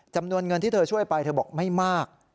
จำนวนเงินที่เธอช่วยไปเธอบอกไม่มาก